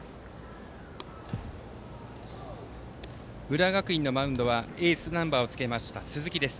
浦和学院のマウンドはエースナンバーをつけた鈴木です。